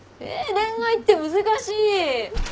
恋愛って難しい！